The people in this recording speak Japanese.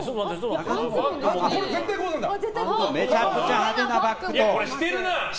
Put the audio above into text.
めちゃくちゃ派手なバッグと。